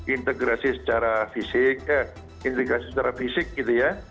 integrasi secara fisik eh integrasi secara fisik gitu ya